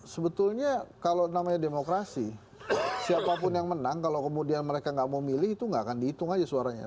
sebetulnya kalau namanya demokrasi siapapun yang menang kalau kemudian mereka nggak mau milih itu nggak akan dihitung aja suaranya